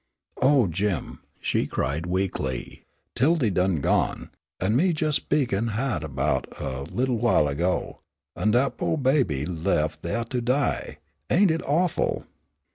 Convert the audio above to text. "Oh, Jim," she cried weakly, "'Tildy done gone, an' me jes' speakin' ha'd 'bout huh a little while ago, an' that po' baby lef thaih to die! Ain't it awful?"